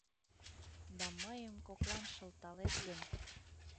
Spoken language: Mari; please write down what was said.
Да мыйым коклан шылталет гын